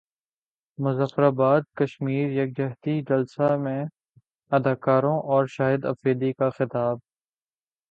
مظفراباد کشمیر یکجہتی جلسہ میں اداکاروں اور شاہد افریدی کا خطاب